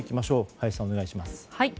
林さん、お願いします。